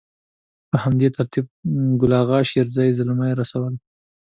په همدې ترتيب ګل اغا شېرزي، زلمي رسول.